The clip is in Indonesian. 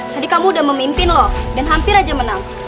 tadi kamu udah memimpin loh dan hampir aja menang